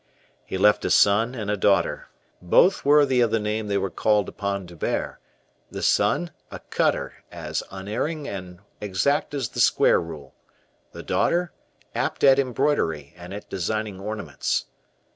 He left a son and a daughter, both worthy of the name they were called upon to bear; the son, a cutter as unerring and exact as the square rule; the daughter, apt at embroidery, and at designing ornaments.